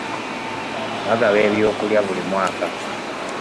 Bagaba ebyokulya buli mwaka.